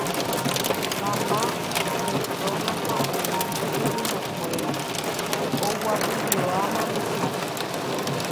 mamá, Petrona ha umi che sobrinokuéra oguapyjoáma mesápe